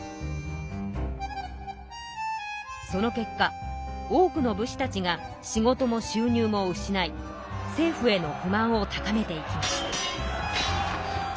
その結果多くの武士たちが仕事も収入も失い政府への不満を高めていきました。